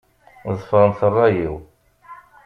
Ḍefṛem ṛṛay-iw.